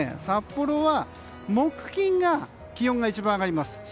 札幌は木、金が気温が一番上がります。